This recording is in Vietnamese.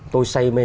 tôi say mê